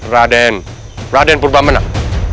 raden raden purba menang